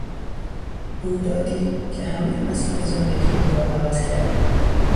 رویدادی که همهی مسیر زندگی او را عوض کرد.